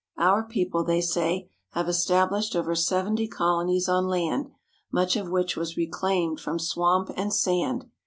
"Our people," they say, "have es tablished over seventy colonies on land, much of which was reclaimed from swamp and sand.